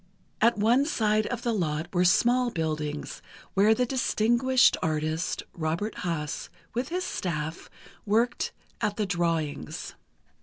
At one side of the lot were small buildings, where the distinguished artist, Robert Haas, with his staff, worked at the drawings.